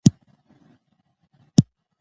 پروژه ملي ویاړ دی.